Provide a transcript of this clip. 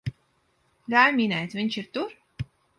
Ļauj minēt, viņš ir tur?